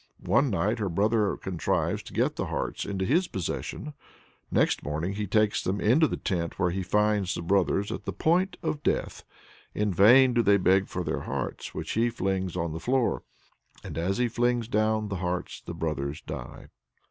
One night her brother contrives to get the hearts into his possession. Next morning he takes them into the tent, where he finds the brothers at the point of death. In vain do they beg for their hearts, which he flings on the floor. "And as he flings down the hearts the brothers die."